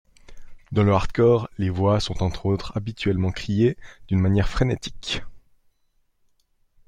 Dans le hardcore, les voix sont, entre autres, habituellement criées d'une manière frénétique.